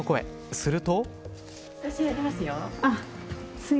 すると。